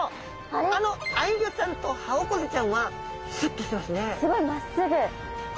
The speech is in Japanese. あのアイギョちゃんとハオコゼちゃんはすっとしてますね。